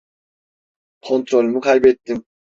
Kontrolümü kaybettim.